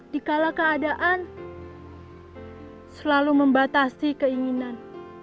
dikala keadaan selalu membatasi keinginan